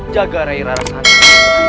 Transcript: jaga rai rarasata